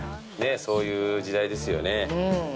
そういう時代ですよね。